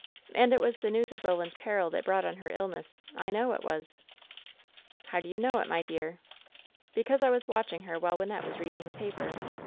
And it was the news of Koland's peril that brought on her illness — I know it was !" "How do you know it, my dear ?" "Because I was watching her while Wynnette was reading the paper.